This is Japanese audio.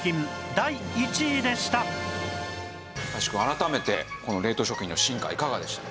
改めてこの冷凍食品の進化いかがでしたか？